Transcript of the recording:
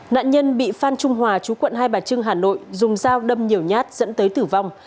nạn nhân bị phan trung hòa chú quận hai bà trưng hà nội dùng dao đâm nhiều nhát dẫn tới tử vong